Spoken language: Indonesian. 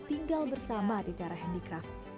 dan tinggal bersama di tiara handicraft